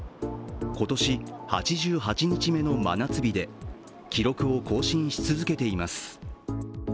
今年８８日目の真夏日で記録を更新し続けています。